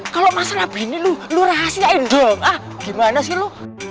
kalau masalah begini lo rahasiain dong ah gimana sih lo